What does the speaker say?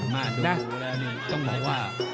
มาดูนะนี่ต้องบอกว่า